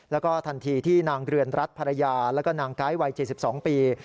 แล้วก็ทันทีที่นางเรือนรัฐภรรยาแล้วก็นางไกด์วัย๗๒ปี